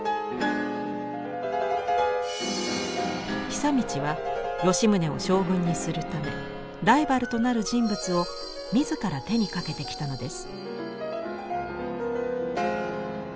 久通は吉宗を将軍にするためライバルとなる人物を自ら手にかけてきたのです。